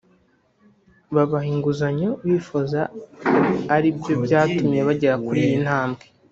babaha inguzanyo bifuza ari byo byatumye bagera kuri iyi ntambwe